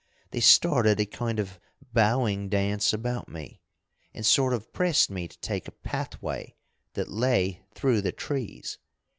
They started a kind of bowing dance about me, and sort of pressed me to take a pathway that lay through the trees.